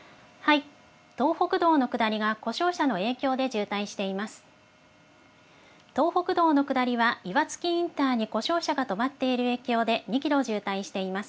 東北道の下りが故障車の影響で渋滞しています。